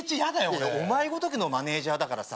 俺お前ごときのマネージャーだからさ